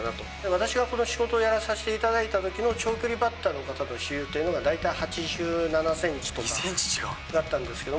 私がこの仕事をやらさせていただいたときの長距離バッターの方の主流というのが大体８７センチだったんですけど。